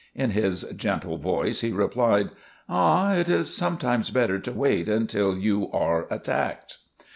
In his gentle voice, he replied; "Ah, it is sometimes better to wait until you are attacked."